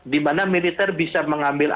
dimana militer bisa mengambil